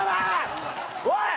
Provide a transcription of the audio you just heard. おい！